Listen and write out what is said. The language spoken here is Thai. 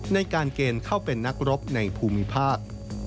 ในการเกณฑ์เข้าเป็นนักรบในภูมิภาค